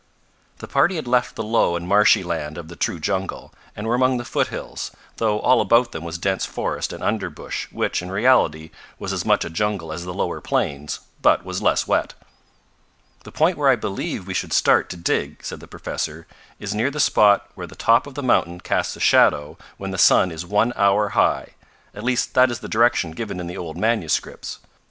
The party had left the low and marshy land of the true jungle, and were among the foothills, though all about them was dense forest and underbush, which, in reality, was as much a jungle as the lower plains, but was less wet. "The point where I believe we should start to dig," said the professor, "is near the spot where the top of the mountain casts a shadow when the sun is one hour high. At least that is the direction given in the old manuscripts.